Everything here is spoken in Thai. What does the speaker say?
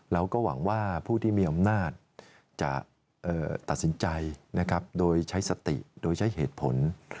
เราก็หวังว่าผู้ที่มีอำนาจจะตัดสินใจโดยใช้สติโดยใช้เหตุผล